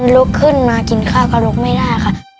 ลุกขึ้นมากินข้าวก็ลุกไม่ได้ค่ะ